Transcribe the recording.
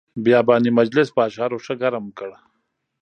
بیاباني مجلس په اشعارو ښه ګرم کړ.